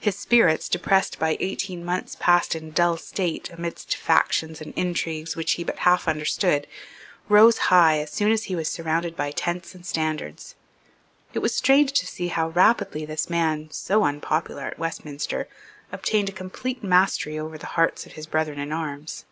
His spirits, depressed by eighteen months passed in dull state, amidst factions and intrigues which he but half understood, rose high as soon as he was surrounded by tents and standards, It was strange to see how rapidly this man, so unpopular at Westminster, obtained a complete mastery over the hearts of his brethren in arms.